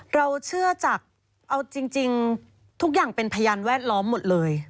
เราเชื่อจากเอาจริงทุกอย่างเป็นพยานแวดล้อมหมดเลย